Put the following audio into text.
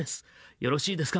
よろしいですか？